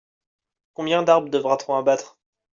Combien d'arbres devra-t-on abattre ?